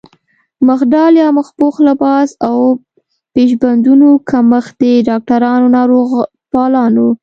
مخ ډال يا مخ پوښ، لباس او پيش بندونو کمښت د ډاکټرانو، ناروغپالانو